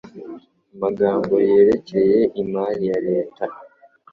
amagambo yerekeye imari ya leta